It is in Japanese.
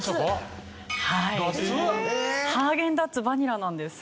ハーゲンダッツバニラなんです。